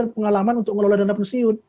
pengalaman untuk mengelola dana pensiun